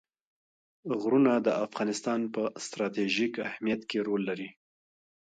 غرونه د افغانستان په ستراتیژیک اهمیت کې رول لري.